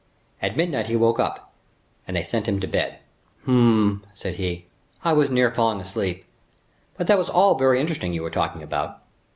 At midnight he woke up and they sent him to bed. "Hum!" said he, "I was near falling asleep; but that was all very interesting you were talking about."